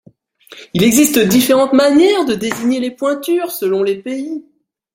Il existe différentes manières de désigner les pointures selon les pays.